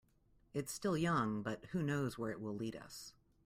It's still young, but who knows where it will lead us.